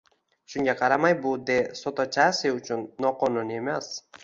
Shunga qaramay, bu De Sotochasi uchun noqonuniy emas